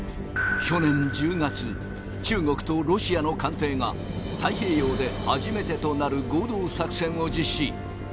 去年１０月中国とロシアの艦艇が太平洋で初めてとなる合同作戦を実施。